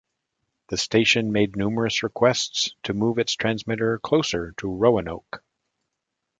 The station made numerous requests to move its transmitter closer to Roanoke.